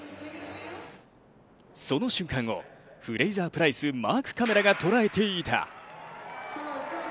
その瞬間を、フレイザー・プライスマークカメラが捉えていた。